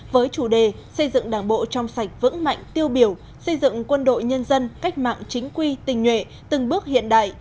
với chủ đề xây dựng đảng bộ trong sạch vững mạnh tiêu biểu xây dựng quân đội nhân dân cách mạng chính quy tình nhuệ từng bước hiện đại